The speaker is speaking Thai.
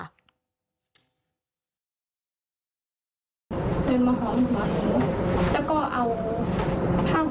เดินมาหอมหัวผม